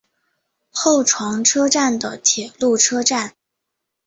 厚床车站的铁路车站。